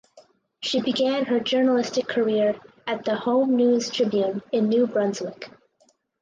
She began her journalistic career at the "Home News Tribune" in New Brunswick.